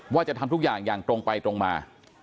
ว่าจะทำทุกอย่างอย่างตรงไปตรงมา